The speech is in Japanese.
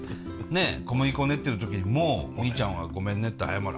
小麦粉練ってる時にもうみーちゃんはごめんねって謝る。